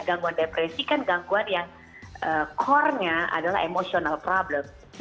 gangguan depresi kan gangguan yang core nya adalah emotional problem